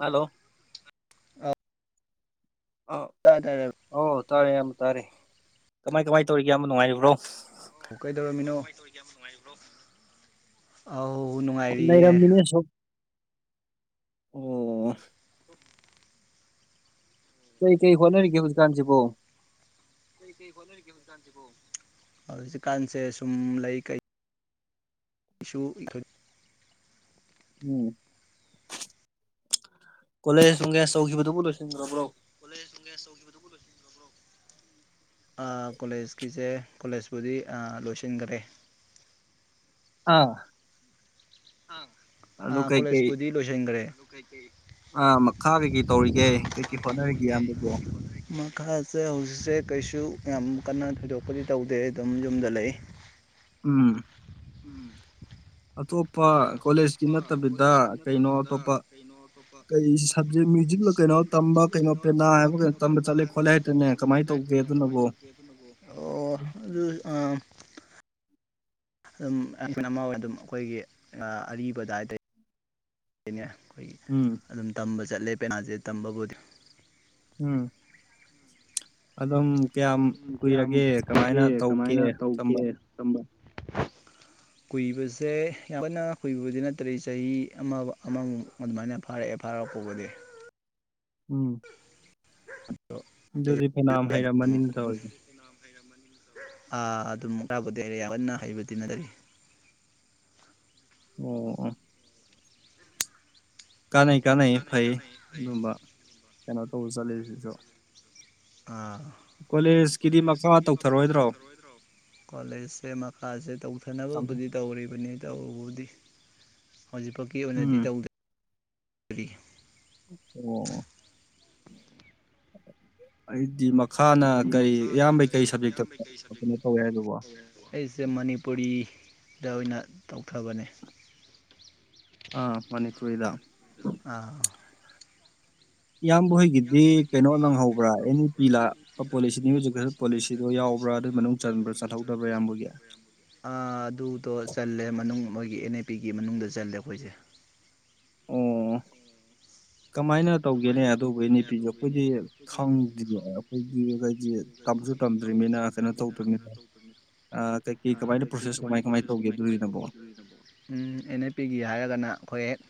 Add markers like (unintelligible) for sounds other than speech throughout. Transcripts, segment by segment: Hello (unintelligible) ꯑ (unintelligible) ꯑꯣ ꯇꯥꯔꯦ ꯏꯌꯥꯝꯕ ꯇꯥꯔꯦ ꯀꯃꯥꯏ ꯀꯃꯥꯏ ꯇꯧꯔꯤꯒꯦ ꯌꯥꯝ ꯅꯨꯡꯉꯥꯏꯔꯤꯕ꯭ꯔꯣ ꯑꯣ ꯀꯩꯗꯧꯔꯝꯃꯤꯅꯣ ꯑꯥꯎ ꯅꯨꯡꯉꯥꯏꯔꯤꯌꯦ ꯑꯣ ꯀꯩ ꯀꯩ ꯍꯣꯠꯅꯔꯤꯒꯦ ꯍꯧꯖꯤꯛꯀꯥꯟꯁꯤꯕꯣ ꯍꯧꯖꯤꯛꯀꯥꯟꯁꯦ ꯁꯨꯝ ꯂꯩ ꯀꯩ ꯏꯁꯨ ꯑꯩꯈꯣꯏ ꯎꯝ ꯀꯣꯂꯦꯖ ꯅꯪꯡꯂꯦꯁ ꯇꯧꯈꯤꯕꯗꯨꯕꯨ ꯂꯣꯏꯁꯤꯟꯈ꯭ꯔꯕ꯭ꯔꯣ ꯑ ꯀꯣꯂꯦꯖꯀꯤꯁꯦ ꯀꯣꯂꯦꯁꯄꯨꯗꯤ ꯑꯥ ꯂꯣꯏꯁꯤꯟꯒꯔꯦ ꯑꯥ ꯑ ꯀꯣꯂꯦꯁꯄꯨꯗꯤ ꯂꯣꯏꯁꯤꯟꯒꯔꯦ ꯑꯥ ꯃꯈꯥ ꯀꯩꯀꯩ ꯇꯧꯔꯤꯒꯦ ꯀꯩ ꯀꯩ ꯍꯣꯠꯅꯔꯤꯒꯦ ꯏꯌꯥꯝꯕꯗꯤ ꯃꯈꯥꯁꯦ ꯍꯧꯖꯤꯛꯁꯦ ꯀꯩꯁꯨ ꯌꯥꯝ ꯀꯟꯅ ꯊꯣꯏꯗꯣꯛꯄꯗꯤ ꯇꯧꯗꯦ ꯑꯗꯨꯝ ꯌꯨꯝꯗ ꯂꯩ ꯎꯝ ꯎꯝ ꯑꯇꯣꯞꯄ ꯀꯣꯂꯦꯖꯀꯤ ꯅꯠꯇꯕꯤꯗ ꯀꯩꯅꯣ ꯑꯇꯣꯞꯄ ꯀꯩ ꯁꯕꯖꯦꯛ ꯃꯨꯏꯖꯤꯛꯂ ꯀꯩꯅꯣ ꯇꯝꯕ ꯀꯩꯅꯣ ꯄꯦꯅꯥ ꯍꯥꯏꯕ ꯀꯩꯅꯣ ꯇꯝꯕ ꯆꯠꯂꯦ ꯈꯣꯠꯂꯦ ꯍꯥꯏꯇꯥꯅꯦ ꯀꯃꯥꯏ ꯇꯧꯒꯦ ꯑꯗꯨꯅꯕꯣ ꯑꯣ ꯑꯗꯨ ꯑꯥ ꯑꯗꯨꯝꯣꯏ ꯑꯃ ꯑꯗꯨꯝ ꯑꯩꯈꯣꯏꯒꯤ ꯑꯔꯤꯕꯗ ꯍꯥꯏꯇꯥꯔꯦ ꯔꯦꯅꯦ ꯑꯩꯈꯣꯏꯒꯤ ꯎꯝ ꯑꯗꯨꯝ ꯇꯝꯕ ꯆꯠꯂꯦ ꯄꯦꯅꯥꯖꯩ ꯇꯝꯕꯕꯨꯗꯤ ꯎꯝ ꯑꯗꯨꯝ ꯀꯌꯥꯝ ꯀꯨꯏꯔꯒꯦ ꯀꯃꯥꯏꯅ ꯇꯧꯒꯦ ꯇꯝꯕ ꯇꯝꯕ (inaudible) ꯀꯨꯏꯕꯁꯦ ꯌꯥꯝ ꯀꯟꯅ ꯀꯨꯏꯕꯕꯨꯗꯤ ꯅꯠꯇꯔꯤ ꯆꯍꯤ ꯑꯃ ꯑꯃꯃꯨꯛ ꯑꯗꯨꯃꯥꯏꯅ ꯐꯥꯔꯛꯑꯦ ꯐꯥꯔꯛꯄꯕꯨꯗꯤ ꯎꯝ ꯑꯗꯨꯗꯤ ꯐꯩꯅꯥꯝ ꯍꯩꯔꯝꯃꯅꯤꯅꯦ ꯇꯧꯔꯤꯁꯦ ꯑꯥ ꯑꯗꯨꯝ ꯈꯔꯕꯨꯗꯤ ꯍꯩꯔꯦ ꯌꯥꯝꯀꯥꯟꯅ ꯍꯩꯕꯗꯤ ꯅꯠꯇꯔꯤ ꯑꯣ ꯀꯥꯟꯅꯩ ꯀꯥꯟꯅꯩꯌꯩ ꯐꯩꯌꯩ ꯑꯗꯨꯝꯕ ꯀꯩꯅꯣ ꯇꯧꯕ ꯆꯠꯂꯤꯁꯤꯁꯨ ꯑꯥ ꯀꯣꯂꯦꯁꯀꯤꯗꯤ ꯃꯈꯥ ꯇꯧꯊꯔꯣꯏꯗ꯭ꯔꯣ ꯀꯣꯂꯦꯖꯁꯦ ꯃꯈꯥꯁꯦ ꯇꯧꯊꯅꯕꯕꯨꯗꯤ ꯇꯧꯔꯤꯕꯅꯤ ꯇꯧꯕꯕꯨꯗꯤ ꯍꯧꯖꯤꯛꯐꯥꯎꯀꯤ ꯑꯣꯏꯅꯗꯤ ꯇꯧꯗꯦ ꯑꯣ ꯑꯩꯗꯤ ꯃꯈꯥꯅ ꯀꯔꯤ ꯏꯌꯥꯝꯕꯩ ꯀꯔꯤ ꯁꯕꯖꯦꯛꯇ ꯀꯩꯅꯣ ꯇꯧꯋꯦ ꯍꯥꯏꯕꯣ ꯑꯩꯁꯦ ꯃꯅꯤꯄꯨꯔꯤꯗ ꯑꯣꯏꯅ ꯇꯧꯊꯕꯅꯦ ꯑꯥ ꯃꯅꯤꯄꯨꯔꯤꯗ ꯑꯥ ꯏꯌꯥꯝꯕ ꯍꯣꯏꯒꯤꯗꯤ ꯀꯩꯅꯣ ꯂꯪꯍꯧꯕ꯭ꯔꯥ ꯑꯦꯅꯤ ꯄꯤ ꯂꯥꯛꯄ ꯄꯣꯂꯤꯁꯤꯅꯤ ꯍꯧꯖꯤꯛꯀꯁꯨ ꯄꯣꯂꯤꯁꯤꯗꯣ ꯌꯥꯎꯕ꯭ꯔꯥ ꯑꯗꯨꯏ ꯃꯅꯨꯡ ꯆꯟꯕ꯭ꯔꯥ ꯆꯠꯍꯧꯗꯕ꯭ꯔꯥ ꯏꯌꯥꯝꯕꯒꯤ ꯑ ꯑꯗꯨꯗꯣ ꯆꯜꯂꯦ ꯃꯅꯨꯡ ꯃꯣꯏꯒꯤ ꯑꯦꯟ ꯑꯦ ꯄꯤꯒꯤ ꯃꯅꯨꯡꯗ ꯆꯜꯂꯦ ꯑꯩꯈꯣꯏꯁꯦ ꯑꯣ ꯀꯃꯥꯏꯅ ꯇꯧꯒꯦꯅꯦ ꯑꯗꯨꯕꯨ ꯑꯦꯟ ꯑꯦ ꯄꯤꯖꯦ ꯑꯩꯈꯣꯏꯗꯤ ꯈꯪꯗ꯭ꯔꯤ ꯑꯩꯈꯣꯏꯒꯤ ꯀꯩꯗꯤ ꯑ ꯑꯩꯗꯤ ꯊꯕꯛꯁꯨ ꯇꯝꯗ꯭ꯔꯤꯅꯤꯅ ꯀꯩꯅꯣ ꯇꯧꯗ꯭ꯅꯤ ꯑ ꯀꯩ ꯀꯩ ꯀꯃꯥꯏꯅ ꯄ꯭ꯔꯣꯁꯦꯁ ꯀꯃꯥꯏ ꯀꯃꯥꯏ ꯇꯧꯒꯦ ꯑꯗꯨꯒꯤꯅꯕꯣ ꯎꯝ ꯑꯦꯟ ꯑꯦ ꯄꯤꯒꯤ ꯍꯥꯏꯔꯒꯅ ꯑꯩꯈꯣꯏ ꯍꯦꯛ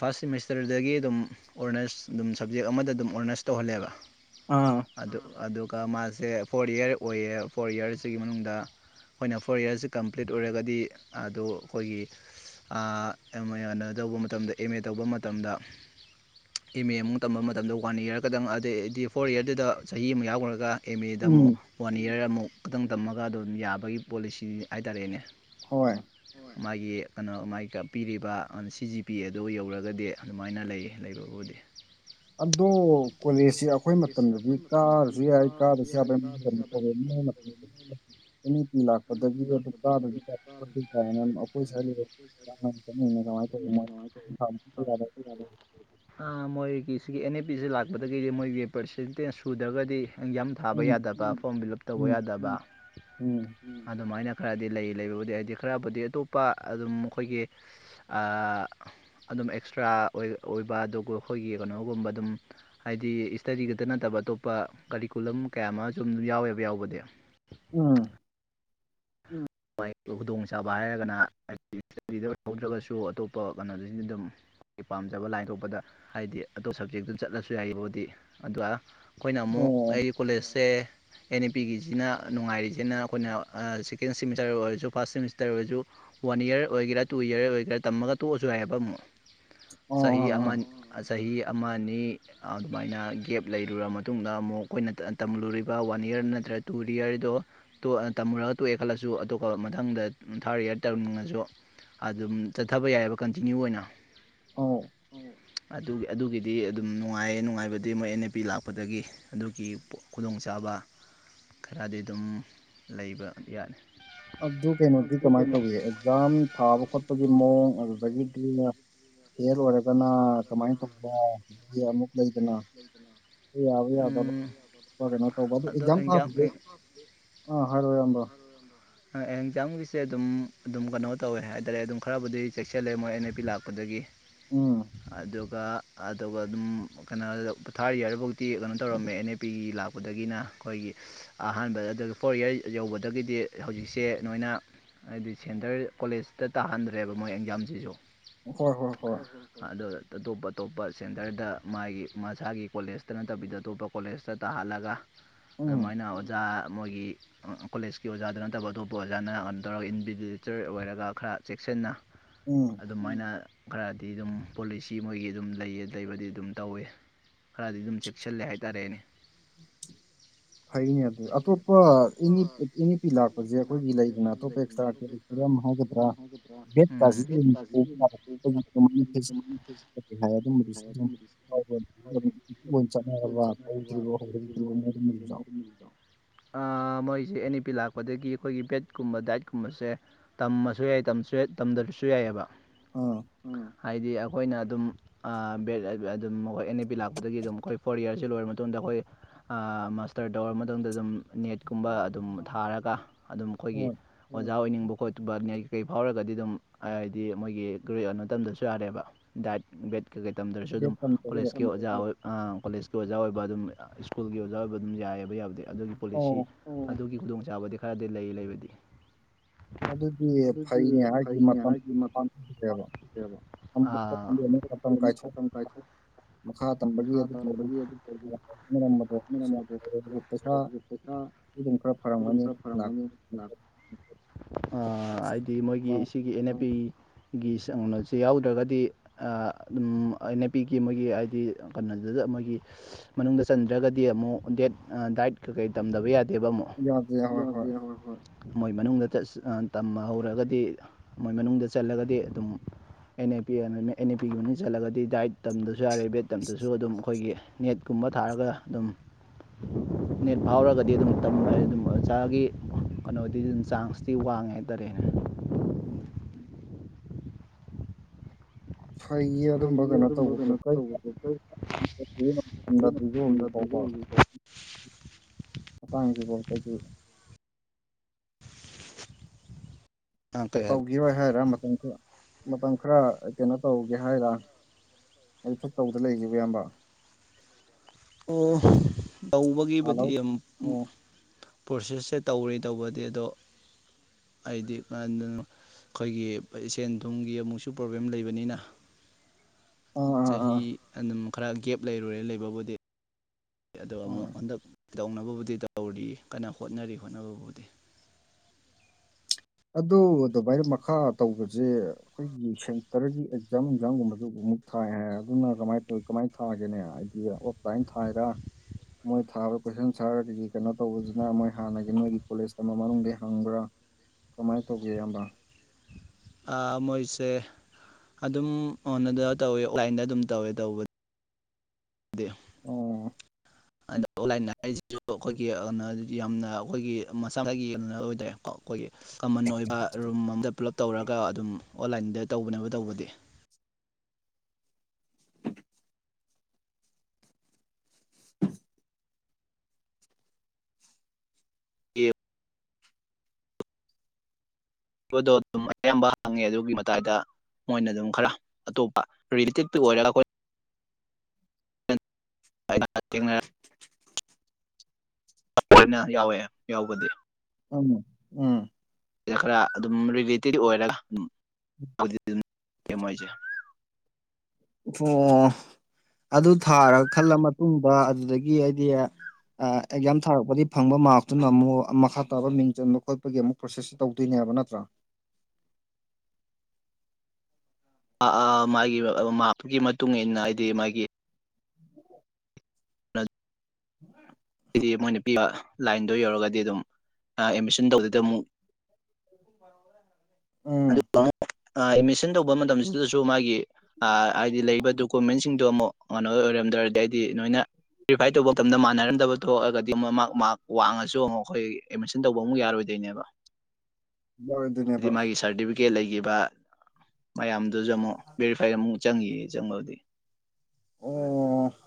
ꯐꯥꯔꯁ ꯁꯤꯃꯤꯁꯇꯔꯗꯒꯤ ꯑꯗꯨꯝ ꯑꯣꯔꯅꯔꯁ ꯑꯗꯨꯝ ꯁꯞꯖꯦꯛ ꯑꯃꯗ ꯑꯗꯨꯝ ꯑꯣꯔꯅꯔꯁ ꯇꯧꯍꯜꯂꯦꯕ ꯑꯥ ꯑꯗꯨ ꯑꯗꯨꯒ ꯃꯥꯁꯦ ꯐꯣꯔ ꯏꯌꯔ ꯑꯣꯏꯌꯦ ꯐꯣꯔ ꯏꯌꯔꯁꯤꯒꯤ ꯃꯅꯨꯡꯗ ꯑꯩꯈꯣꯏꯅ ꯐꯣꯔ ꯏꯔꯁꯤ ꯀꯝꯄ꯭ꯂꯤꯠ ꯑꯣꯏꯔꯒꯗꯤ ꯑꯗꯣ ꯑꯩꯈꯣꯏꯒꯤ ꯑꯥ ꯑꯦꯃꯦ ꯌꯅꯥꯗꯧ ꯃꯇꯝꯗ ꯑꯦꯃꯦ ꯇꯧꯕ ꯃꯇꯝꯗ ꯑꯦꯝꯃꯦ ꯑꯃꯨꯛ ꯇꯝꯕ ꯃꯇꯝꯗ ꯋꯥꯟ ꯏꯌꯔ ꯈꯛꯇꯪ ꯑꯗꯩꯗꯤ ꯐꯣꯔ ꯏꯔꯗꯨꯗ ꯆꯍꯤ ꯑꯃ ꯌꯥꯎꯈ꯭ꯔꯒ ꯑꯦꯝꯃꯦꯗꯃꯨꯛ ꯋꯥꯟ ꯌꯔ ꯑꯃꯨꯛ ꯈꯛꯇꯪ ꯇꯝꯃꯒ ꯑꯗꯨꯝ ꯌꯥꯕꯒꯤ ꯄꯣꯂꯤꯁꯤ ꯍꯥꯏꯇꯥꯔꯦꯅꯦ ꯍꯣꯏ ꯃꯥꯒꯤ ꯀꯩꯅꯣ ꯃꯥꯒꯤ ꯄꯤꯔꯤꯕ ꯁꯤ ꯖꯤ ꯄꯤ ꯑꯗꯨ ꯌꯧꯔꯒꯗꯤ ꯑꯗꯨꯃꯥꯏꯅ ꯂꯩ ꯂꯩꯕ ꯎꯗꯦ꯫ ꯑꯗꯣ ꯀꯣꯂꯦꯖꯁꯤ ꯑꯩꯈꯣꯏ ꯃꯇꯝꯗꯗꯤ ꯀꯥꯔꯁꯨ ꯌꯥꯏ ꯀꯥꯔꯁꯨ ꯌꯥꯕ ꯇ (inaudible) ꯑꯦꯅꯤ ꯄꯤ ꯂꯥꯛꯄꯗꯒꯤ ꯑꯗꯨ ꯀꯥ ꯀꯥꯏꯅꯝ ꯑꯩꯈꯣꯏ ꯁ ꯆꯠꯃꯤꯅꯦ ꯀꯃꯥꯏꯅ ꯇꯧꯔꯤ꯫ ꯃꯣꯏꯒꯤ ꯁꯤꯒꯤ ꯑꯦꯟ ꯑꯦ ꯄꯤꯤꯁꯦ ꯂꯥꯛꯄꯗꯒꯤꯗꯤ ꯃꯣꯏꯒꯤ ꯄꯔꯁꯦꯟꯇꯦꯖ ꯁꯨꯗ꯭ꯔꯒꯗꯤ ꯌꯥꯝ ꯊꯥꯕ ꯌꯥꯗꯕ ꯐꯣꯔꯝ ꯐꯤꯜ ꯎꯞ ꯇꯧꯕ ꯌꯥꯗꯕ ꯑꯗꯨꯃꯥꯏꯅ ꯈꯔꯗꯤ ꯂꯩ ꯂꯩꯕꯕꯨꯗꯤ ꯍꯥꯏꯗꯤ ꯈꯔꯕꯨꯗꯤ ꯑꯇꯣꯞꯄ ꯑꯗꯨꯝ ꯑꯩꯣꯏꯒꯤ ꯑꯗꯨꯝ ꯑꯦꯛꯁꯇ꯭ꯔꯥ ꯑꯣꯏꯕ ꯑꯗꯨꯒ ꯑꯩꯈꯣꯏꯒꯤ ꯀꯩꯅꯣꯒꯨꯝꯕ ꯑꯗꯨꯝ ꯍꯥꯏꯗꯤ ꯏꯁꯇꯗꯤ ꯈꯛꯇ ꯅꯠꯇꯕ ꯑꯇꯣꯞꯄ ꯀꯔꯤꯀꯨꯂꯝ ꯀꯌꯥ ꯑꯃ ꯁꯨꯝ ꯌꯥꯎꯋꯦꯕ ꯌꯥꯎꯕꯗꯤ꯫ ꯎꯝ ꯈꯨꯗꯣꯡꯆꯥꯥꯕ ꯍꯥꯏꯔꯒꯅ ꯍꯧꯗ꯭ꯔꯒꯁꯨ ꯑꯇꯣꯞꯄ ꯀꯩꯅꯣꯗꯗ ꯑꯗꯨꯝ ꯑꯩꯒꯤ ꯄꯥꯝꯖꯕ ꯂꯥꯏꯟ ꯊꯣꯛꯄꯗ ꯍꯥꯏꯗꯤ ꯑꯇꯣꯞ ꯁꯕꯖꯦꯛꯇꯨ ꯆꯠꯂꯁꯨ ꯌꯥꯏꯕꯨꯗꯤ ꯑꯗꯨꯒ ꯑꯩꯈꯣꯏꯅ ꯑꯃꯨꯛ ꯑꯩ ꯀꯣꯂꯦꯖꯁꯦ ꯑꯦꯟ ꯑꯦ ꯄꯤꯒꯤꯁꯤꯅ ꯅꯨꯡꯉꯥꯏꯔꯤꯁꯤꯅ ꯑꯩꯈꯣꯏꯅ ꯁꯦꯀꯦꯟ ꯁꯤꯃꯤꯁꯇꯔ ꯑꯣꯏꯁꯨ ꯐꯥꯁ ꯁꯦꯃꯤꯁꯇꯔ ꯑꯣꯏꯁꯨ ꯋꯥꯟ ꯏꯔ ꯑꯣꯏꯒꯦꯔꯥ ꯇꯨ ꯏꯔ ꯑꯣꯏꯒꯦꯔꯥ ꯇꯝꯃꯒ ꯇꯣꯛꯑꯁꯨ ꯌꯥꯏꯑꯕ ꯑꯃꯨꯛ ꯑꯣ ꯆꯍꯤ ꯑꯃ ꯆꯍꯤ ꯑꯃꯅꯤꯅꯤ꯫ ꯑꯗꯨꯃꯥꯏꯅ ꯒꯦꯞ ꯂꯩꯔꯨꯔ ꯃꯇꯨꯡꯗ ꯑꯃꯨꯛ ꯑꯩꯈꯣꯏꯅ ꯇꯝꯂꯨꯔꯤꯕ ꯋꯥꯟ ꯏꯌꯔ ꯅꯠꯇ꯭ꯔꯒ ꯇꯨ ꯏꯌꯔꯗꯣ ꯇꯝꯃꯨꯔꯒ ꯇꯣꯛꯑꯦ ꯈꯜꯂꯁꯨ ꯑꯗꯨꯒꯇꯣꯞꯄ ꯃꯊꯪꯗ ꯊꯥꯔꯠ ꯏꯌꯥꯔ ꯇꯝꯅꯤꯡꯉꯁꯨ ꯑꯗꯨꯝ ꯆꯠꯊꯕ ꯌꯥꯏꯑꯕ ꯀꯟꯇꯤꯅ꯭ꯌꯨ ꯑꯣꯏꯅ ꯑꯗꯨꯒꯤ ꯑꯗꯨꯒꯤꯗꯤ ꯑꯗꯨꯝ ꯅꯨꯡꯉꯥꯏꯌꯦ ꯅꯨꯡꯉꯥꯏꯕꯗꯤ ꯃꯣꯏ ꯑꯦꯟ ꯑꯦ ꯄꯤ ꯂꯥꯛꯄꯗꯒꯤ꯫ ꯑꯗꯨꯒꯤ ꯈꯨꯗꯣꯡꯆꯥꯥꯕ ꯈꯔꯗꯤ ꯑꯗꯨꯝ ꯂꯩꯕ ꯌꯥꯅꯤ꯫ ꯑꯗꯨ ꯀꯩꯅꯣꯗꯤ ꯀꯃꯥꯏꯅ ꯇꯧꯋ ꯑꯦꯛꯖꯥꯝ ꯊꯥꯕ ꯈꯣꯠꯄꯒꯤ ꯃꯑꯣꯡ ꯑꯗꯨꯗꯒꯤꯗꯤ ꯍꯤꯌꯔ ꯑꯣꯏꯔꯒꯅ ꯀꯃꯥꯏꯅ ꯇꯧꯕꯅꯣ ꯑꯃꯨꯛ ꯂꯩꯗꯅ ꯌꯥꯕ ꯌꯥꯗꯕ ꯀꯅ ꯇꯧꯕ ꯑꯀꯖꯥꯝ ꯊꯕꯥꯗꯣ ꯑꯥ ꯍꯥꯏꯔꯣꯑꯣ ꯌꯥꯝꯝꯕ ꯑꯦꯛꯖꯥꯝꯒꯤꯁꯦ ꯑꯗꯨꯝ ꯑꯗꯨꯝ ꯀꯩꯅꯣ ꯇꯧꯋꯦ ꯍꯥꯏꯇꯥꯔꯦ ꯑꯗꯨꯝ ꯈꯔꯕꯨꯗꯤ ꯆꯦꯛꯁꯤꯁꯜꯂꯦ ꯃꯣꯏ ꯑꯦꯟ ꯑꯦ ꯄꯤ ꯂꯥꯛꯄꯗꯒꯤ꯫ ꯎꯝ ꯑꯗꯨꯒ ꯑꯗꯨꯒ ꯑꯗꯨꯝ ꯀꯩꯅꯣ ꯊꯥꯔ ꯌꯔꯐꯧꯗꯤ ꯀꯩꯅꯣ ꯇꯧꯔꯝꯃꯦ ꯑꯅꯦꯞ ꯄꯤ ꯂꯥꯛꯄꯗꯒꯤꯅ ꯑꯩꯈꯣꯏꯒꯤ ꯑꯍꯥꯟꯕꯗ ꯑꯗꯨ ꯐꯣꯔ ꯏꯔꯁ ꯌꯧꯕꯗꯒꯤꯗꯤ ꯍꯧꯖꯤꯛꯁꯦ ꯅꯣꯏꯅ ꯍꯥꯏꯗꯤ ꯁꯦꯟꯇꯔ ꯀꯣꯂꯦꯖꯇ ꯇꯥꯍꯟꯗ꯭ꯔꯦꯕ ꯃꯣꯏ ꯑꯦꯛꯖꯥꯝꯁꯤꯁꯨ ꯍꯣ ꯍꯣ ꯍꯣꯏ ꯑꯗꯣ ꯑꯇꯣꯞ ꯑꯇꯣꯞꯄ ꯁꯦꯟꯇꯔꯗ ꯃꯥꯒꯤ ꯃꯁꯥꯒꯤ ꯀꯣꯂꯦꯖꯇ ꯅꯠꯇꯕꯤꯗ ꯑꯇꯣꯞꯄ ꯀꯣꯂꯦꯖꯇ ꯇꯥꯍꯜꯂꯒ ꯑꯗꯨꯃꯥꯏꯅ ꯑꯣꯖꯥ ꯃꯣꯏꯒꯤ ꯀꯣꯂꯦꯖꯀꯤ ꯑꯣꯖꯥ ꯑꯗꯨ ꯅꯠꯇꯕ ꯑꯇꯣꯞꯄ ꯑꯣꯖꯥꯅ ꯀꯩꯅꯣ ꯇꯧꯔꯒ ꯏꯟꯕꯤꯆꯔ ꯑꯣꯏꯔꯒ ꯈꯔ ꯆꯦꯛꯁꯤꯟꯅ ꯎꯝ ꯑꯗꯨꯃꯥꯏꯅ ꯈꯔꯗꯤ ꯑꯗꯨꯝ ꯄꯣꯂꯤꯁꯤ ꯃꯣꯏꯒꯤ ꯑꯗꯨꯝ ꯂꯩꯌꯦꯗꯩꯕꯗꯤ ꯑꯗꯨꯝ ꯇꯧꯋꯤ꯫ ꯈꯔꯗꯤ ꯑꯗꯨꯝ ꯆꯦꯛꯁꯤꯜꯂꯦ ꯍꯥꯏꯇꯥꯔꯦꯅꯦ꯫ ꯍꯥꯏꯅꯦ ꯑꯗꯨ ꯑꯇꯣ ꯀ ꯏꯅꯤ ꯏꯅꯤ ꯄꯤ ꯂꯥꯛ ꯍꯧꯖꯤꯛ ꯑꯩꯈꯣꯏꯒꯤ ꯂꯩꯗꯅ ꯑꯇꯣꯞꯄ ꯑꯦꯛꯁꯇ꯭ꯔꯥ ꯀꯦꯂꯤꯇꯣꯔꯤꯌꯝ ꯍꯥꯏꯒꯗ꯭ꯔꯥ ꯚꯦꯠ ꯀꯗꯤ ꯑꯗꯨꯝ ꯑꯗꯨꯥꯏ ꯑꯗꯨꯝꯕꯗꯨꯁꯨ ꯑꯗꯨꯝ ꯆꯠꯅꯔꯕ (unintelligible) ꯑ ꯃꯣꯏꯁꯦ ꯑꯦꯅꯤ ꯄꯤ ꯂꯥꯛ ꯑꯗꯒꯤ ꯑꯩꯈꯣꯏꯒꯤ ꯕꯦꯠꯀꯨꯝꯕ ꯗꯥꯏꯠꯀꯨꯝꯕꯁꯦ ꯇꯝꯃꯁꯨ ꯌꯥꯏ ꯇꯝꯗꯕꯁꯨ ꯌꯥꯏꯑꯕ ꯍꯥꯏꯗꯤ ꯑꯩꯈꯣꯏꯅ ꯑꯗꯨꯝ ꯑꯗꯨꯝ ꯑꯩꯣꯏ ꯑꯦꯟ ꯑꯦ ꯄꯤ ꯂꯥꯛꯄꯗꯒꯤ ꯑꯗꯨꯝ ꯑꯩꯈꯣꯏ ꯐꯣꯔ ꯏꯌꯥꯔꯁꯤ ꯂꯣꯏꯔ ꯃꯇꯨꯡꯗ ꯑꯩꯈꯣꯏ ꯃꯥꯁꯇꯔ ꯇꯧꯔ ꯃꯇꯨꯡꯗ ꯑꯗꯨꯝ ꯅꯦꯠꯀꯨꯝꯕ ꯑꯗꯨꯝ ꯊꯥꯔꯒ ꯑꯗꯨꯝ ꯑꯩꯈꯣꯏꯒꯤ ꯑꯣꯖꯥ ꯑꯣꯏꯅꯤꯡꯕ ꯈꯣꯠꯕ ꯀꯩꯀꯩ ꯐꯥꯎꯔꯒꯗꯤ ꯑꯗꯨꯝ ꯍꯥꯏꯗꯤ ꯃꯣꯏꯒꯤ ꯇꯝꯗꯁꯨ ꯌꯥꯔꯦꯕ ꯗꯥꯏꯠ ꯕꯦꯠ ꯀꯩꯀꯩ ꯇꯝꯗ꯭ꯔꯁꯨ ꯑꯗꯨꯝ ꯀꯣꯂꯦꯖꯀꯤ ꯑꯣꯖꯥ ꯀꯣꯂꯦꯖꯀꯤ ꯑꯣꯖꯥ ꯑꯣꯏꯕ ꯑꯗꯨꯝ ꯁ꯭ꯀꯨꯜꯒꯤ ꯑꯣꯖꯥ ꯑꯣꯏꯕ ꯑꯗꯨꯝ ꯌꯥꯏꯑꯕ ꯌꯥꯕꯗꯤ ꯑꯗꯨꯒꯤ ꯄꯣꯂꯤꯁꯤ ꯑꯗꯨꯒꯤ ꯈꯨꯗꯣꯡꯆꯥꯥꯕꯗꯤ ꯈꯔꯗꯤ ꯂꯩ ꯂꯩꯕꯗꯤ ꯑꯗꯨꯗꯤ ꯐꯩꯅꯦ ꯍꯥꯏꯗꯤ ꯃꯇꯝ ꯑ ꯄꯩꯁꯥꯪꯇꯥꯟꯕꯒꯤ ꯑꯗꯨ ꯇꯧꯕꯒꯤꯌꯥꯝ ꯗꯨꯝ ꯈꯔ ꯐꯝꯒꯅꯤ ꯍꯥꯏꯗꯤ ꯃꯣꯏꯒꯤ ꯁꯤꯒꯤ ꯑꯦꯟ ꯑꯦ ꯄꯤ ꯌꯥꯎꯗ꯭ꯔꯒꯗꯤ ꯑꯗꯨꯝ ꯅꯦꯄꯤꯒꯤ ꯃꯣꯏꯒꯤ ꯍꯥꯏꯗꯤ ꯀꯩꯅꯣꯗꯨꯗ ꯃꯣꯏꯒꯤ ꯃꯅꯨꯡꯗ ꯆꯟꯗ꯭ꯔꯒꯗꯤ ꯑꯃꯨꯛ ꯗꯦꯠ ꯗꯥꯏꯠ ꯀꯩꯀꯩ ꯇꯝꯗꯕ ꯌꯥꯗꯦꯕ ꯑꯃꯨꯛ ꯌꯥꯗꯦ ꯌꯥꯗꯦ ꯍꯣꯏ ꯃꯣꯏ ꯃꯅꯨꯡꯗ ꯇꯝꯃ ꯍꯧꯔꯒꯗꯤ ꯃꯣꯏ ꯃꯅꯨꯡꯗ ꯆꯠꯂꯒꯗꯤ ꯑꯗꯨꯝ N A P N A ꯄꯤ ꯌꯨꯅꯤꯟ ꯆꯠꯂꯒꯗꯤ ꯗꯥꯏꯠ ꯇꯝꯗꯁꯨ ꯌꯥꯔꯦ ꯕꯦꯠ ꯇꯝꯗꯁꯨ ꯑꯗꯨꯝ ꯑꯩꯈꯣꯏꯒꯤ ꯅꯦꯠꯀꯨꯝꯕ ꯊꯥꯔꯒ ꯑꯗꯨꯝ ꯅꯦꯠ ꯐꯥꯎꯔꯒꯗꯤ ꯑꯗꯨꯝ ꯇꯝꯝꯕꯃ ꯑꯗꯨꯝ ꯏꯆꯥꯒꯤ ꯀꯩꯅꯣꯗꯤ ꯆꯥꯡꯁꯇꯤ ꯋꯥꯡꯉꯦ ꯍꯥꯏꯇꯥꯔꯦꯅꯦ ꯐꯩꯌꯦ ꯑꯗꯨꯝꯕ ꯀꯩꯅꯣ ꯇꯧꯕꯗꯣ꯭ꯔꯤ ꯍꯧꯖꯤꯛ ꯐꯥꯎꯕ ꯃꯇꯥꯡꯖꯤ ꯗ ꯑꯈꯣꯏꯒꯤ ꯑ ꯀꯩꯪꯍꯥꯏꯕ ꯒꯤꯔꯣꯏ ꯍꯥꯏꯔꯥ ꯃꯇꯝ ꯃꯇꯝ ꯈꯔ ꯀꯩꯅꯣ ꯇꯧꯒꯦ ꯍꯥꯏꯔ ꯇꯧꯗ ꯂꯩꯁꯤꯕ ꯏꯌꯥꯝꯕ ꯑꯣ ꯇꯧꯕꯒꯤꯕꯨꯗꯤ ꯌꯥꯝ ꯄ꯭ꯔꯣꯁꯦꯁꯁꯦ ꯇꯧꯔꯤ ꯇꯧꯕꯗꯤ ꯑꯗꯣ ꯑꯩꯗꯤ ꯀꯥꯟꯗꯅ ꯑꯩꯈꯣꯏꯒꯤ ꯁꯦꯟ ꯊꯨꯝꯒꯤ ꯑꯃꯨꯛꯁꯨ ꯄ꯭ꯔꯣꯕ꯭ꯂꯦꯝ ꯂꯩꯕꯅꯤꯅ ꯆꯍꯤ ꯑꯗꯨꯝ ꯈꯔ ꯒꯦꯞ ꯂꯩꯔꯨꯔꯦ ꯂꯩꯕꯕꯨꯗꯤ ꯑꯗꯣ ꯑꯃꯨꯛ ꯍꯟꯗꯛ ꯇꯧꯅꯕꯕꯨꯗꯤ ꯇꯧꯔꯤ ꯀꯟꯅ ꯍꯣꯠꯅꯔꯤ ꯍꯣꯠꯅꯕꯕꯨꯗꯤ ꯑꯗꯨ ꯑꯗꯨꯃꯥꯏꯅ ꯃꯈꯥ ꯇꯧꯕꯁꯦ ꯑꯩꯈꯣꯏꯒꯤ ꯁꯦꯟꯇꯔꯒꯤ ꯑꯦꯛꯖꯥꯝ ꯑꯦꯛꯖꯥꯝꯒꯨꯝꯕꯁꯨ ꯑꯃꯨꯛ ꯊꯥꯏ ꯍꯥꯏ ꯑꯗꯨꯅ ꯀꯃꯥꯏꯅ ꯇꯧꯔꯤ ꯀꯃꯥꯏꯅ ꯊꯥꯒꯦꯅꯦ ꯑꯩꯗꯤ ꯑꯣꯐꯂꯥꯏꯟ ꯊꯥꯏꯔ ꯃꯣꯏ ꯊꯥꯕ ꯀꯣꯏꯁꯟ ꯁꯥꯔ ꯀꯩꯅꯣ ꯇꯧꯕꯁꯤꯅ ꯃꯣꯏ ꯍꯥꯟꯅꯒꯤ ꯃꯣꯏꯒꯤ ꯀꯣꯂꯦꯖ ꯇ ꯃꯅꯨꯡꯗ ꯍꯪꯕ꯭ꯔꯥ ꯀꯃꯥꯏꯅ ꯇꯧꯒꯦ ꯏꯌꯥꯝꯕ ꯃꯣꯏꯁꯦ ꯑꯗꯨꯝ ꯑꯣꯗ ꯇꯧꯋꯦ ꯑꯣꯂꯥꯏꯟꯗ ꯑꯗꯨꯝ ꯇꯧꯋꯦ ꯇꯧꯕꯗ ꯗ ꯑꯣ ꯑꯗ ꯑꯣꯟꯂꯥꯏꯟ ꯍꯥꯏꯔꯤꯁꯤꯁꯨ ꯑꯩꯈꯣꯏꯒꯤ ꯀꯩꯅꯣꯗꯤ ꯌꯥꯝꯅ ꯑꯩꯈꯣꯏꯒꯤ ꯃꯆꯥꯡꯗꯒꯤ ꯑꯣꯏꯇꯥꯔꯦ ꯑꯩꯈꯣꯏꯒꯤ ꯀꯃꯟ ꯑꯣꯏꯕ ꯔꯨꯝ ꯑꯃ ꯗꯦꯕꯂꯞ ꯇꯧꯔꯒ ꯑꯗꯨꯝ ꯑꯣꯟꯂꯥꯏꯟꯗ ꯇꯧꯕꯅꯦꯕ ꯇꯧꯕꯗꯤ (unintelligible) ꯌꯦ ꯗꯣ ꯑꯗꯨꯝ ꯑꯌꯥꯝꯕ ꯍꯪꯉꯦ ꯑꯗꯨꯒꯤ ꯃꯇꯥꯏꯗ ꯃꯣꯏꯅ ꯑꯗꯨꯝ ꯈꯔ ꯑꯇꯣꯞꯄ ꯔꯤꯂꯦꯇꯤꯞꯇ ꯑꯣꯏꯔꯒ ꯑꯩꯈꯣꯏ ꯊꯦꯡꯅꯔ ꯂꯣꯏꯅ ꯌꯥꯎꯋꯦ ꯌꯥꯎꯕꯗꯤ ꯎ ꯎꯝ ꯁꯤꯗ ꯈꯔ ꯑꯗꯨꯝ ꯔꯤꯂꯦꯇꯤꯠ ꯑꯣꯏꯔꯒ ꯑꯗꯨꯝ ꯑꯗꯨꯝ ꯃꯣꯏꯁꯦ ꯑꯣ ꯑꯗꯨ ꯊꯥꯔꯒ ꯈꯜꯂ ꯃꯇꯨꯡꯗ ꯑꯗꯨꯗꯒꯤ ꯑꯩꯗꯤ ꯑꯦꯛꯖꯥꯝ ꯊꯥꯔꯛꯄꯗꯤ ꯐꯪꯕ ꯃꯥꯔꯁꯇꯨꯅ ꯑꯃꯨꯛ ꯃꯈꯥ ꯇꯥꯕ ꯃꯤꯡ ꯆꯟꯕ ꯈꯣꯠꯄꯒꯤ ꯑꯃꯨꯛ ꯄ꯭ꯔꯣꯁꯦꯁ ꯇꯧꯗꯣꯏꯅꯦꯕ ꯅꯠꯇ꯭ꯔꯥ ꯑ ꯑ ꯃꯥꯒꯤ ꯃꯥꯒꯤ ꯃꯇꯨꯡ ꯏ ꯃꯇꯨꯡꯏꯟꯅ ꯍꯥꯏꯗꯤ ꯃꯥꯒꯤ (unintelligible) (inaudible) ꯍꯥꯏꯗꯤ ꯃꯣꯏꯅ ꯄꯤꯕ ꯂꯥꯏꯟꯗꯣ ꯌꯧꯔꯒꯗꯤ ꯑꯗꯨꯝ ꯑꯦꯗꯃꯤꯁꯟ ꯇꯧꯗꯗ ꯑꯃꯨꯛ ꯑꯗꯨꯒ ꯑꯦꯗꯃꯤꯁꯟ ꯇꯧꯕ ꯃꯇꯝꯁꯤꯗꯁꯨ ꯃꯥꯒꯤ ꯍꯥꯏꯗꯤ ꯂꯩꯕ ꯗꯣꯀꯨꯃꯦꯟꯁꯤꯡꯗꯣ ꯑꯃꯨꯛ ꯀꯩꯅꯣ ꯑꯣꯏꯔꯝꯗ꯭ꯔꯗꯤ ꯑꯩꯗꯤ ꯅꯣꯏꯅ ꯕꯦꯔꯤꯐꯥꯏ ꯇꯧꯕ ꯃꯇꯝꯗ ꯃꯥꯟꯅꯔꯝꯗꯕ ꯊꯣꯛꯑꯒꯗꯤ ꯃꯣꯏ ꯃꯥꯛ ꯋꯥꯡꯉꯁꯨ ꯑꯃꯨꯛ ꯑꯩꯈꯣꯏ ꯑꯦꯗꯃꯤꯁꯟ ꯇꯧꯕ ꯑꯃꯨꯛ ꯌꯥꯔꯣꯏꯗꯣꯏꯅꯦꯕ ꯑꯗꯨꯅꯦꯕ ꯁꯥꯔꯇꯤꯐꯤꯀꯦꯠ ꯂꯩꯈꯤꯕ ꯃꯌꯥꯝꯗꯨꯁꯨ ꯑꯃꯨꯛ ꯕꯦꯔꯤꯐꯥꯏ ꯑꯃꯨꯛ ꯆꯪꯈꯤꯌꯦ ꯆꯪꯕꯕꯨꯗꯤ ꯑꯣ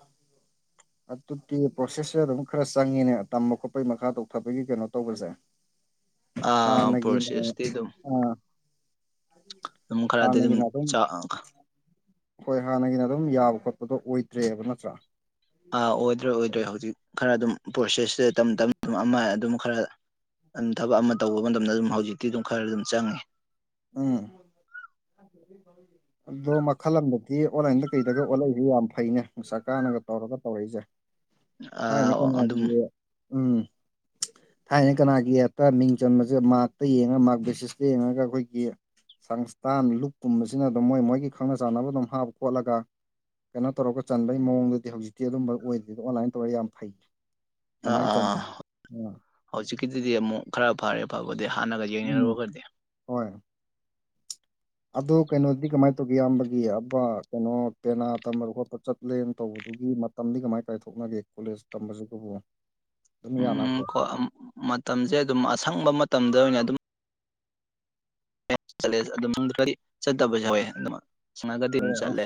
ꯑꯗꯨꯗꯤ ꯄ꯭ꯔꯣꯁꯦꯁꯁꯦ ꯑꯗꯨꯝ ꯈꯔ ꯆꯪꯉꯤꯅꯦ ꯇꯝꯕ ꯈꯣꯠꯄꯒꯤ ꯃꯈꯥ ꯇꯧꯊꯕꯒꯤ ꯀꯩꯅꯣ ꯇꯧꯕꯁꯦ ꯍꯥꯟꯅꯒꯤ ꯍꯥꯟꯅꯒꯤꯅ ꯑꯗꯨꯝ ꯍꯣꯏ ꯍꯥꯟꯅꯒꯤꯅ ꯑꯗꯨꯝ ꯌꯥꯕ ꯈꯣꯠꯄꯗꯣ ꯑꯣꯏꯗ꯭ꯔꯦꯕ ꯅꯠꯇ꯭ꯔꯥ ꯑꯥ ꯑꯣꯏꯗ꯭ꯔꯦ ꯑꯣꯏꯗ꯭ꯔꯦ ꯍꯧꯖꯤꯛ ꯈꯔ ꯑꯗꯨꯝ ꯄ꯭ꯔꯣꯁꯦꯁꯇ ꯇꯝ ꯑꯗꯨꯝ ꯑꯃ ꯑꯗꯨꯝ ꯈꯔ ꯑꯗꯨꯝ ꯊꯕꯛ ꯑꯃ ꯇꯧꯕ ꯃꯇꯝꯗ ꯑꯗꯨꯝ ꯍꯧꯖꯤꯛꯇꯤ ꯑꯗꯨꯝ ꯈꯔ ꯑꯗꯨꯝ ꯆꯪꯉꯦ ꯎꯝ (unintelligible) ꯑꯗꯣ ꯃꯈꯜ ꯑꯃꯗꯗꯤ ꯑꯣꯟꯂꯥꯏꯟꯗ ꯀꯩꯗꯒ ꯑꯣꯜꯂꯛꯏꯁꯦ ꯌꯥꯝ ꯐꯩꯅꯦ ꯅꯨꯡꯁꯥ ꯀꯥꯟꯅꯒ ꯇꯧꯔꯒ ꯇꯧꯔꯛꯏꯁꯦ ꯍꯥꯏꯅ ꯀꯩꯅꯣꯗꯤ ꯎꯝ ꯊꯥꯏꯅ ꯀꯅꯥꯒꯤ ꯍꯦꯇꯥ ꯃꯤꯡ ꯆꯟꯕꯁꯦ ꯃꯥꯔꯛꯇ ꯌꯦꯡꯉꯒ ꯃꯥꯔꯛ ꯕꯦꯁꯤꯁꯇ ꯌꯦꯡꯉꯒ ꯑꯩꯈꯣꯏꯒꯤ ꯁꯪꯁꯊꯥꯟ ꯂꯨꯞꯀꯨꯝꯕꯁꯤꯅ ꯑꯗꯨꯝ ꯃꯣꯏ ꯃꯣꯏꯒꯤ ꯈꯪꯅ ꯆꯥꯟꯅꯕ ꯑꯗꯨꯝ ꯍꯥꯞꯄ ꯈꯣꯠꯂꯒ ꯀꯩꯅꯣ ꯇꯧꯔꯒ ꯆꯟꯕꯒꯤ ꯃꯑꯣꯡꯗꯨꯗꯤ ꯍꯧꯖꯤꯛꯇꯤ ꯑꯗꯨꯝꯕ ꯑꯣꯏꯗ꯭ꯦꯗ ꯑꯣꯟꯂꯥꯏꯟ ꯇꯧꯔꯒ ꯌꯥꯝ ꯐꯩ ꯑꯥ ꯑꯥ ꯍꯧꯖꯤꯛꯀꯤꯗꯨꯗꯤ ꯑꯃꯨꯛ ꯈꯔ ꯐꯔꯦ ꯐꯕꯗꯩ ꯍꯥꯟꯅꯒ ꯌꯦꯡꯅꯔꯨꯔꯒꯗꯤ ꯍꯣꯏ ꯑꯗꯣ ꯀꯩꯅꯣꯗꯤ ꯀꯃꯥꯏꯅ ꯇꯧꯒꯦ ꯏꯌꯥꯝꯕꯒꯤ ꯑꯕ ꯀꯩꯅꯣ ꯄꯦꯅꯥ ꯇꯝꯕ ꯈꯣꯠꯄ ꯆꯠꯂꯦꯅ ꯇꯧꯕꯗꯨꯒꯤ ꯇꯝꯗꯤ ꯀꯃꯥꯏ ꯀꯥꯏꯊꯣꯛꯅꯒꯦ ꯀꯣꯂꯦꯖ ꯇꯝꯕꯁꯤꯒꯕꯨ ꯎꯝ ꯀꯣ ꯃꯇꯝꯁꯦ ꯑꯗꯨꯝ ꯑꯁꯪꯕ ꯃꯇꯝꯗ ꯑꯣꯏꯅ ꯑꯗꯨꯝ ꯆꯠꯂꯦꯪ ꯀꯔꯤ ꯆꯠꯇꯕꯁꯨ ꯍꯧꯋꯦ ꯑꯗꯨꯃꯛ ꯆꯪꯉꯒꯗꯤ ꯑꯗꯨꯝ ꯆꯠꯂꯦ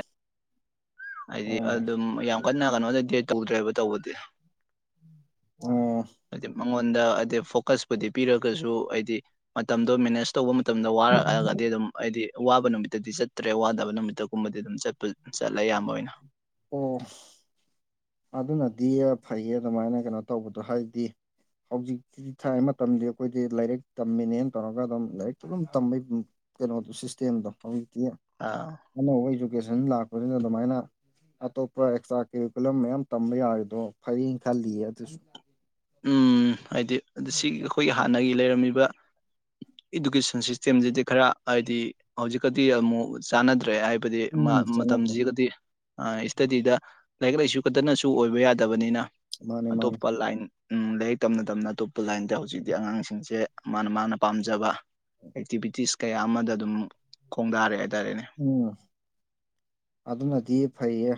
ꯍꯥꯏꯗꯤ ꯑꯗꯨꯝ ꯌꯥꯝ ꯀꯟꯅ ꯀꯩꯅꯣꯗꯗꯤ ꯇꯧꯗ꯭ꯔꯦꯕ ꯇꯧꯕꯗꯤ ꯑꯣ ꯍꯥꯏꯗꯤ ꯃꯉꯣꯟꯗ ꯍꯥꯏꯗꯤ ꯐꯣꯀꯁꯄꯨꯗꯤ ꯄꯤꯔꯒꯁꯨ ꯍꯥꯏꯗꯤ ꯃꯇꯝꯗꯣ ꯃꯦꯅꯦꯖ ꯇꯧꯕ ꯃꯇꯝꯗ ꯋꯥꯔꯛꯑꯒꯗꯤ ꯑꯗꯨꯝ ꯑꯩꯗꯤ ꯋꯥꯕ ꯅꯨꯃꯤꯠꯇꯗꯤ ꯆꯠꯇ꯭ꯔꯦ ꯋꯥꯗꯕ ꯅꯨꯃꯤꯠꯇꯒꯨꯝꯕꯗꯤ ꯑꯗꯨꯝ ꯆꯠꯄ ꯆꯠꯂꯦ ꯑꯌꯥꯝꯕ ꯑꯣꯏꯅ ꯑꯣ ꯑꯗꯨꯅꯗꯤ ꯐꯩꯌꯦ ꯑꯗꯨꯃꯥꯏꯅ ꯀꯩꯅꯣ ꯇꯧꯕꯗꯣ ꯍꯥꯏꯗꯤ ꯍꯧꯖꯤꯛ ꯊꯥꯏ ꯃꯇꯝꯗꯤ ꯑꯩꯈꯣꯏꯗꯤ ꯂꯥꯏꯔꯤꯛ ꯇꯝꯃꯤꯅꯦꯅ ꯇꯧꯔꯒ ꯑꯗꯨꯝ ꯂꯥꯏꯔꯤꯛꯇꯁꯨ ꯑꯗꯨꯝ ꯇꯝꯕ ꯀꯩꯅꯣꯁꯤ ꯁꯇꯦꯦꯝꯗ ꯐꯑ ꯑꯥ ꯑꯅꯧꯕ ꯏꯖꯨꯀꯦꯁꯟ ꯂꯥꯛꯄꯁꯤꯅ ꯑꯗꯨꯃꯥꯏꯅ ꯑꯇꯣꯞꯄ ꯑꯦꯛꯁꯇ꯭ꯔꯥ ꯀꯦꯔꯤꯀꯨꯂꯝ ꯃꯌꯥꯝ ꯇꯝꯕ ꯌꯥꯔꯤꯗꯣ ꯐꯔꯅ ꯈꯜꯂꯤꯌꯦ ꯑꯗꯨꯁꯨ ꯎꯝ ꯍꯥꯏꯗꯤ ꯑꯗꯨ ꯁꯤ ꯑꯩꯈꯣꯏꯒꯤ ꯍꯥꯟꯅꯒꯤ ꯂꯩꯔꯝꯃꯤꯕ ꯏꯗꯨꯀꯦꯁꯟ ꯁꯤꯁꯇꯦꯝꯁꯤꯗꯤ ꯈꯔ ꯍꯥꯏꯗꯤ ꯍꯧꯖꯤꯛꯀꯗꯤ ꯑꯃꯨꯛ ꯆꯥꯟꯅꯗ꯭ꯔꯦ ꯍꯥꯏꯕ ꯍꯥꯏꯕꯗꯤ ꯃꯇꯝꯁꯤꯒꯗꯤ ꯏꯁꯇꯗꯤꯗ ꯂꯥꯏꯔꯤꯛ ꯂꯥꯏꯁꯨ ꯈꯛꯇꯅꯁꯨ ꯑꯣꯏꯕ ꯌꯥꯗꯕꯅꯤꯅ ꯑꯇꯣꯞꯄ ꯂꯥꯏꯟ ꯂꯥꯏꯔꯤꯛ ꯇꯝꯅ ꯇꯝꯅ ꯑꯇꯣꯞꯄ ꯂꯥꯏꯟꯗ ꯍꯧꯖꯤꯛꯇꯤ ꯑꯉꯥꯡꯁꯤꯡꯁꯦ ꯃꯥꯅ ꯃꯥꯅ ꯄꯥꯝꯖꯕ ꯑꯦꯛꯇꯤꯚꯤꯇꯤꯁ ꯀꯌꯥ ꯑꯃꯗ ꯑꯗꯨꯝ ꯈꯣꯡꯗꯥꯔꯦ ꯍꯥꯏꯇꯥꯔꯦꯅꯦ ꯎꯝ ꯑꯗꯨꯅꯗꯤ ꯐꯩꯌꯦ